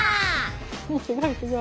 すごいすごい。